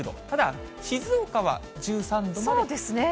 ただ静岡は１３度まで。